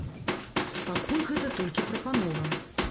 Пакуль гэта толькі прапанова.